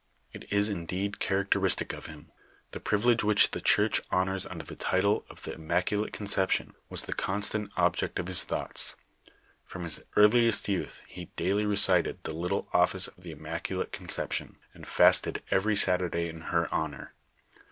It is, indeed, cliarac teristic of him. The privilege which the church honors under the title of the Immaculate Conception, was the constant ob ject of his thoughts; from his earliest youth, he daily recited the little office of the Immaculate Conception, and fasted every Saturday in her honor.